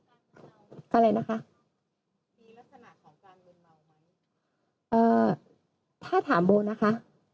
อะไรนะคะมีลักษณะของการมืนเมาไหมเอ่อถ้าถามโบนะคะ